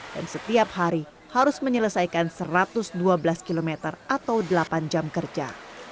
dan setiap hari harus menyelesaikan satu ratus dua belas kilometer atau delapan jam kerja